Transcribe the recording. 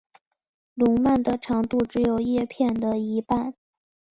笼蔓的长度只有叶片的一半。